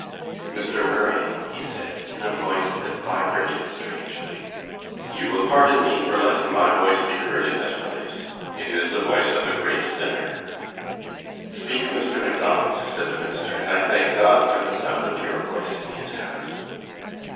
"Mr. Murray," he said, in a voice that vibrated strangely, "you will pardon me for letting my voice be heard in this place. It is the voice of a great sinner." "Speak, Mr. Macdonald," said the minister, "and I thank God for the sound of your voice in His house."